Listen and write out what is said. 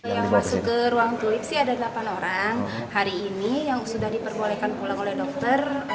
yang masuk ke ruang tulip sih ada delapan orang hari ini yang sudah diperbolehkan pulang oleh dokter